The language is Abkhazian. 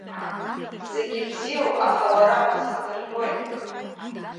Зегьы бзиоуп, аха уара узхдырҟьои?